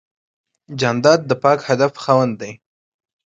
جانداد د پاک هدف خاوند دی.